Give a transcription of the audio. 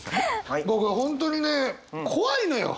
僕は本当にね怖いのよ。